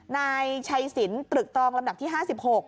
นายชัยสินตรึกตองลำดับที่๕๖